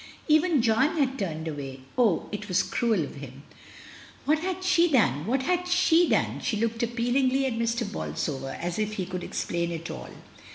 Even John had turned away. Oh, it was cruel of him. What had she done! what had she done! She looked appealingly at Mr. Bolsover, as if he could explain it all.